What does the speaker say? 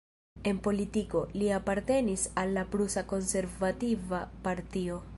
En politiko, li apartenis al la prusa konservativa partio.